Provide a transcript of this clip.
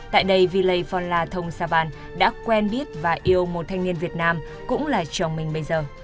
tại đây villei phonla thong savan đã quen biết và yêu một thanh niên việt nam cũng là chồng mình bây giờ